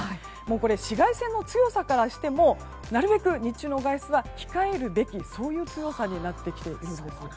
これ、紫外線の強さからしてもなるべく日中の外出は控えるべきというそういう強さになってきているんです。